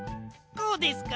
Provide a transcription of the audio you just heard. こうですか？